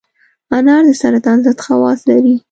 انار د سرطان ضد خواص لري.